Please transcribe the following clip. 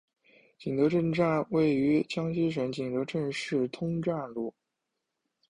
景德镇站位于江西省景德镇市通站路。